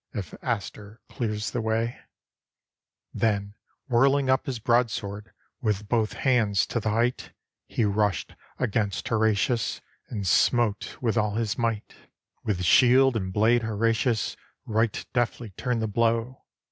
If Astur clears the way ?" Then, whirling up his broadsword With both hands to the height. He rushed against Horatius, And smote with all his might. 281 ROME With shield and blade Horatius Right deftly turned the blow.